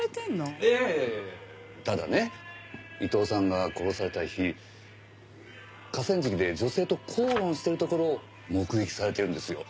いやいやただね伊藤さんが殺された日河川敷で女性と口論しているところを目撃されてるんですよ。